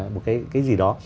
một cái gì đó